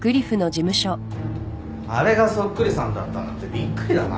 あれがそっくりさんだったなんてびっくりだな。